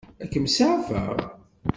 Ad kem-seɛfeɣ?